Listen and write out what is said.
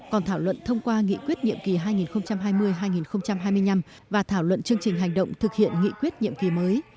còn thảo luận thông qua nghị quyết nhiệm kỳ hai nghìn hai mươi hai nghìn hai mươi năm và thảo luận chương trình hành động thực hiện nghị quyết nhiệm kỳ mới